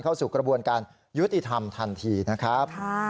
เข้าสู่กระบวนการยุติธรรมทันทีนะครับ